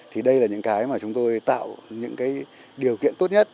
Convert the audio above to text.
thì đây là những cái mà chúng tôi tạo những cái điều kiện tốt nhất